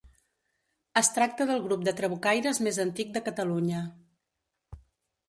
Es tracta del grup de trabucaires més antic de Catalunya.